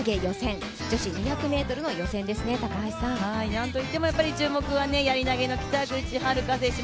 なんといっても注目はやり投げの北口榛花選手。